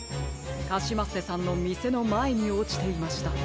カシマッセさんのみせのまえにおちていました。